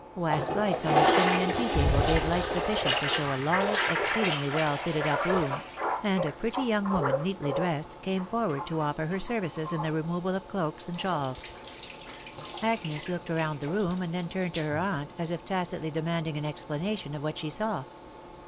Wax lights on the chimney and tea table gave light sufficient to show a large, exceedingly well fitted up room ; and a pretty young woman, neatly dressed, came forward to offer her services in the removal of cloaks and shawls. Agnes looked round the room, and then turned rto her aunt, as if tacitly demanding an explanation of what she saw.